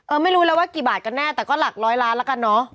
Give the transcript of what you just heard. ไม่รู้แล้วว่ากี่บาทกันแน่แต่ก็หลักร้อยล้านแล้วกันเนอะ